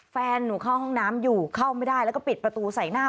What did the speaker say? แฟนหนูเข้าห้องน้ำอยู่เข้าไม่ได้แล้วก็ปิดประตูใส่หน้า